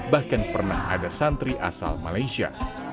bahkan pernah ada santri asal malaysia